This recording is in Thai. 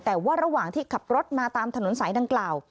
แต่ว่าระหว่างที่ขับรถมาตามถนนสายดังกล่าว